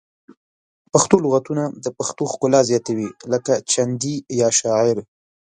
پښتو لغتونه د پښتو ښکلا زیاتوي لکه چندي یا شاعر